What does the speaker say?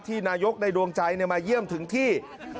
นายกในดวงใจมาเยี่ยมถึงที่